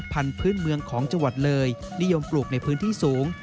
พันธุ์เมืองของจังหวัดเลยนิยมปลูกในพื้นที่สูง